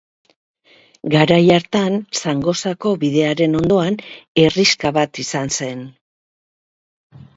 Garai hartan, Zangozako bidearen ondoan, herrixka bat izan zen.